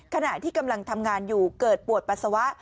ขณะที่กำลังทำงานอยู่เกิดปวดปัสสาวะ